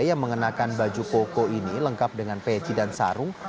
yang mengenakan baju koko ini lengkap dengan peci dan sarung